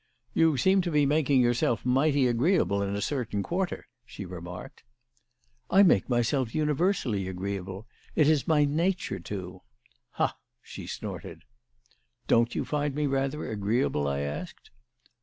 "You seem to be making yourself mighty agreeable in a certain quarter," she remarked. "I make myself universally agreeable. It is my nature to." "Ha!" she snorted. "Don't you find me rather agreeable?" I asked.